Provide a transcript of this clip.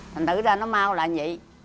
thành thử ra nó mau là vậy